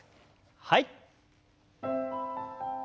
はい。